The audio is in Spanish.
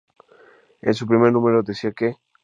En su primer número decía que